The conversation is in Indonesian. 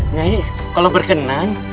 nyai kalau berkenan